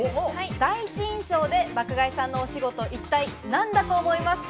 第一印象で爆買いさんのお仕事は一体何だと思いますか？